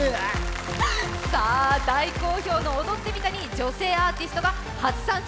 大好評の「踊ってみた」に女性アーティストが初参戦。